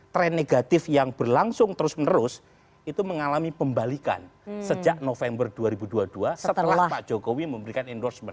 tren negatif yang berlangsung terus menerus itu mengalami pembalikan sejak november dua ribu dua puluh dua setelah pak jokowi memberikan endorsement